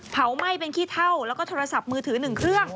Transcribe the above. ไหม้เป็นขี้เท่าแล้วก็โทรศัพท์มือถือ๑เครื่อง